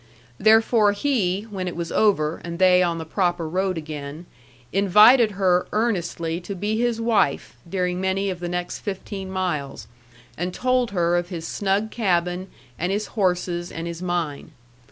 Therefore he, when it was over, and they on the proper road again, invited her earnestly to be his wife during many of the next fifteen miles, and told her of his snug cabin and his horses and his mine.